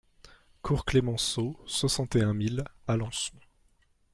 Cours Clemenceau, soixante et un mille Alençon